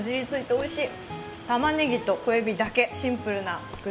おいしい！